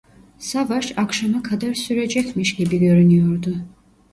Savaş akşama kadar sürecekmiş gibi görünüyordu.